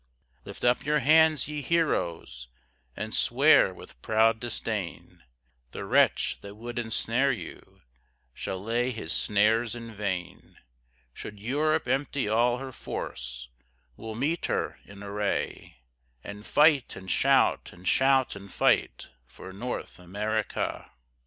Lift up your hands, ye heroes, And swear with proud disdain, The wretch that would ensnare you, Shall lay his snares in vain: Should Europe empty all her force, We'll meet her in array, And fight and shout, and shout and fight For North America.